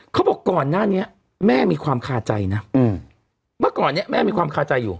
ก่อนหน้านี้แม่มีความคาใจนะเมื่อก่อนเนี่ยแม่มีความคาใจอยู่